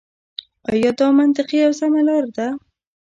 آيـا دا مـنطـقـي او سـمـه لاره ده.